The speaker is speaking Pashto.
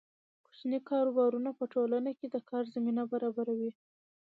کوچني کاروبارونه په ټولنه کې د کار زمینه برابروي.